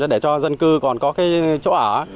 để cho dân cư còn có cái chỗ ở